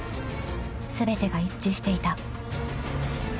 ［全てが一致していた］